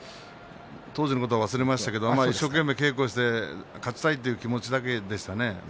当時のことは忘れましたけれども一生懸命、稽古をして勝ちたいという気持ちだけでしたね。